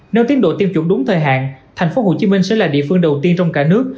nếu tiến độ tiêm chủng đúng thời hạn thành phố hồ chí minh sẽ là địa phương đầu tiên trong cả nước